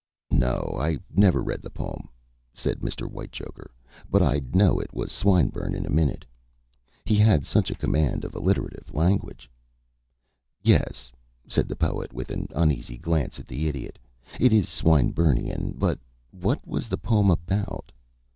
"No; I never read the poem," said Mr. Whitechoker, "but I'd know it was Swinburne in a minute. He has such a command of alliterative language." "Yes," said the Poet, with an uneasy glance at the Idiot. "It is Swinburnian; but what was the poem about?"